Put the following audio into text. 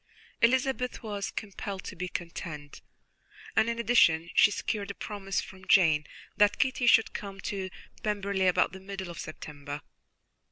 Elizabeth was compelled to be content, and, in addition, she secured a promise from Jane that Kitty should come to Pemberley about the middle of September.